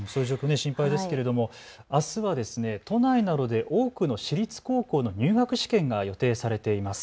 そういう状況心配ですけれどあすは都内などで多くの私立高校の入学試験が予定されています。